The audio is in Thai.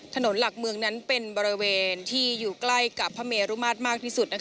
ถนนหลักเมืองนั้นเป็นบริเวณที่อยู่ใกล้กับพระเมรุมาตรมากที่สุด